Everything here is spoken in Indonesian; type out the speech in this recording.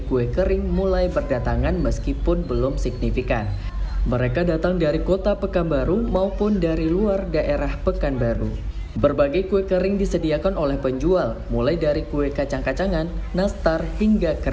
kue kering ini lebih murah dibanding dengan modal membuat kue sendiri